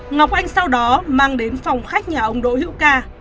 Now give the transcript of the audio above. ngọc anh sau đó mang đến phòng khách nhà ông đỗ hữu ca